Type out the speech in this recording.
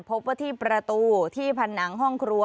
พบว่าที่ประตูที่ผนังห้องครัว